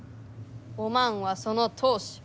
おまんはその当主。